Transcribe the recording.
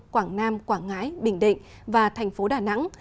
quảng nam quảng ngãi bình định và thành phố đà nẵng